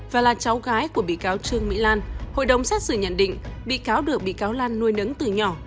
và là cháu gái của bị cáo trương mỹ lan hội đồng xét xử nhận định bị cáo được bị cáo lan nuôi nấng từ nhỏ